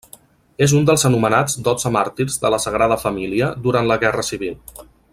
És un dels anomenats Dotze Màrtirs de la Sagrada Família durant la Guerra Civil.